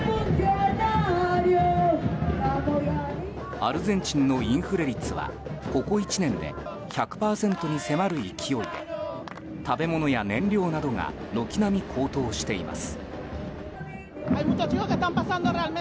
アルゼンチンのインフレ率はここ１年で１００％に迫る勢いで食べ物や燃料などが軒並み高騰しています。